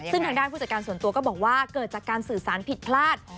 ซึ่งทางด้านผู้จัดการส่วนตัวก็บอกว่าเกิดจากการสื่อสารผิดพลาด